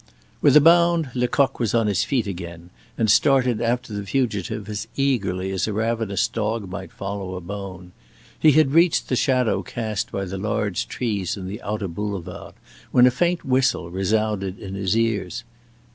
With a bound, Lecoq was on his feet again, and started after the fugitive as eagerly as a ravenous dog might follow a bone. He had reached the shadow cast by the large trees in the outer boulevards when a faint whistle resounded in his ears.